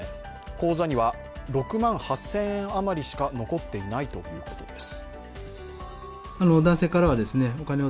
口座には６万８０００円余りしか残っていないということです。